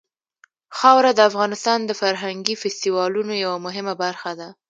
خاوره د افغانستان د فرهنګي فستیوالونو یوه مهمه برخه ده.